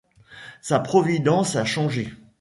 Sa providence a changé.